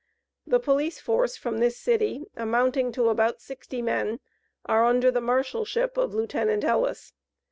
The police force from this city, amounting to about sixty men, are under the marshalship of Lieut. Ellis.